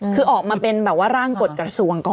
คือออกมาเป็นแบบว่าร่างกฎกระทรวงก่อน